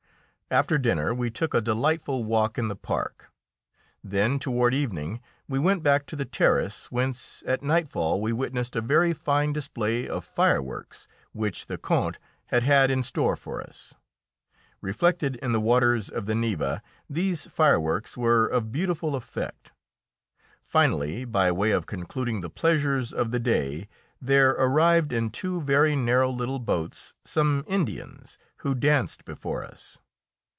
After dinner we took a delightful walk in the park; then, toward evening, we went back to the terrace, whence, at nightfall, we witnessed a very fine display of fireworks which the Count had had in store for us. Reflected in the waters of the Neva, these fireworks were of beautiful effect. Finally, by way of concluding the pleasures of the day, there arrived in two very narrow little boats some Indians, who danced before us.